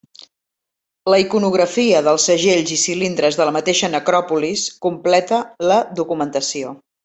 La iconografia dels segells i cilindres de la mateixa necròpolis completa la documentació.